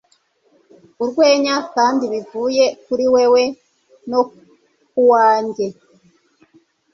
urwenya kandi bivuye kuri wewe no kuwanjye